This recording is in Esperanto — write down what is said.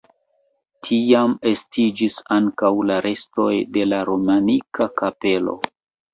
Tiam estiĝis ankaŭ la restoj de la romanika kapelo.